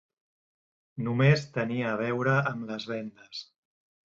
Només tenia a veure amb les vendes.